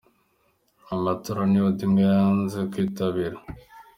Aya matora niyo Odinga yanze kwitabira.